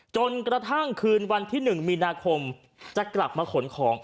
จนกระทั่งคืนวันที่๑มีนาคมจะกลับมาขนของ